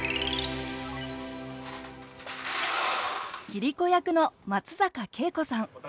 桐子役の松坂慶子さん。